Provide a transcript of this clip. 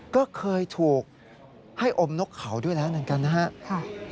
ก็เคยถูกให้อมนกเขาด้วยแล้วเหมือนกันนะครับ